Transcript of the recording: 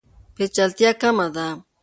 پیچلتیا کمه ده.